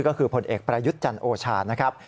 ก็คือผลเอกประยุจจรโอชานะครับ